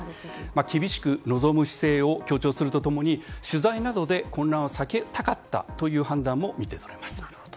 厳しく臨む姿勢を強調すると共に、取材などで混乱は避けたかったという判断も見て取れます。